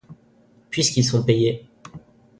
Puisqu'ils sont payés.